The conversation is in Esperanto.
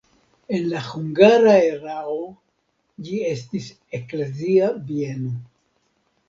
En la hungara erao ĝi estis eklezia bieno.